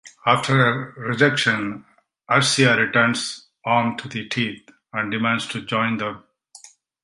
After her rejection, Arisia returns armed to the teeth, and demands to join them.